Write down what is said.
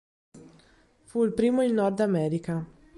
Fu il primo in Nord America.